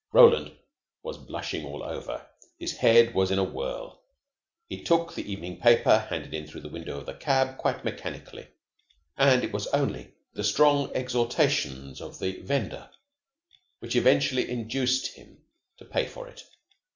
Roland was blushing all over. His head was in a whirl. He took the evening paper handed in through the window of the cab quite mechanically, and it was only the strong exhortations of the vendor which eventually induced him to pay for it.